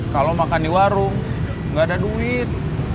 kalau makan di warung nggak ada duit